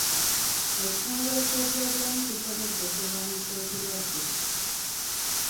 Ekitongole ky'ebyobulamu kisobodde okulwanisa ekitwadde.